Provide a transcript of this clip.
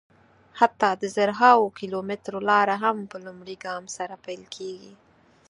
حتی د زرهاوو کیلومترو لاره هم په لومړي ګام سره پیل کېږي.